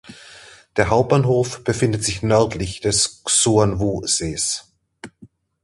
Der Hauptbahnhof befindet sich nördlich des "Xuanwu"-Sees.